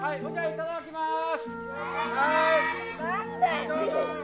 いただきます。